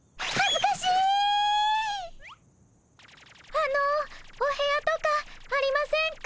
あのお部屋とかありませんか？